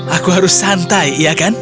aku harus santai ya kan